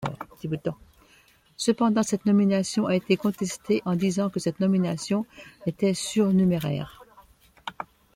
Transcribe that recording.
Cependant cette nomination a été contestée en disant que cette nomination était surnuméraire.